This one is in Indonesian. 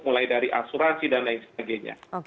mulai dari asuransi dan lain sebagainya